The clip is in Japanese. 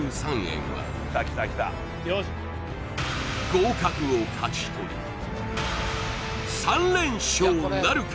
合格を勝ち取り３連勝なるか？